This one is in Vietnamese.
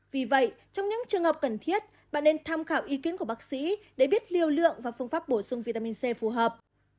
vì vậy trong những trường hợp cần thiết bà nên tham khảo ý kiến của bác sĩ để biết liều lượng và phương pháp bổ sung vitamin c phù hợp